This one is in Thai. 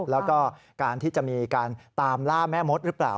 แล้วก็การที่จะมีการตามล่าแม่มดหรือเปล่า